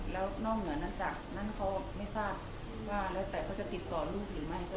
แล้วนอกเหนือนั้นจากนั้นเขาไม่ทราบว่าแล้วแต่เขาจะติดต่อลูกหรือไม่ก็